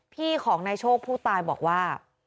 พี่ของนายโชคผู้ตายบอกว่า